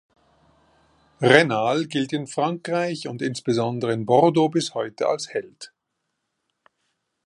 Raynal gilt in Frankreich und insbesondere in Bordeaux bis heute als Held.